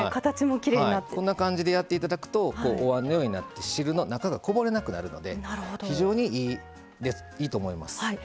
こんな感じでやっていただくとおわんのようになって汁の中がこぼれなくなるので非常にいいと思います。